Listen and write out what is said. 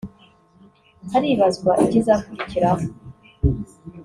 haribazwa ikizakurikiraho